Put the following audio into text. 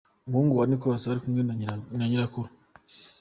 Umuhungu wa Nicolas ari kumwe na Nyirakuru.